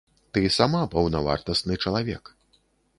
Ты сама паўнавартасны чалавек.